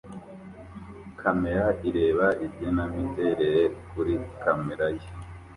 Kamera ireba igenamiterere kuri kamera ye